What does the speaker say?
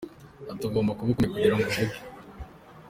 Ati: “Ugomba kuba ukomeye kugirango uvuge.